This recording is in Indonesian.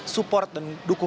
support untuk ahok